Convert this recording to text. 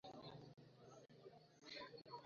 Suala la umri limekuwa moja ya hoja za kampeni